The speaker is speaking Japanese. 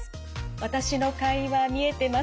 私の会話見えてますか？